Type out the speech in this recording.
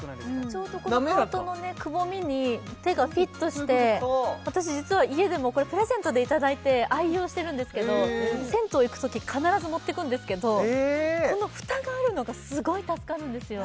ちょうどこのハートのくぼみに手がフィットして私実は家でもこれプレゼントでいただいて愛用してるんですけど銭湯行く時必ず持っていくんですけどこのフタがあるのがすごい助かるんですよ